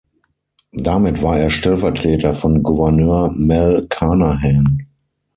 Damit war er Stellvertreter von Gouverneur Mel Carnahan.